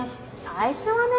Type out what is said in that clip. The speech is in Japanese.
最初はね。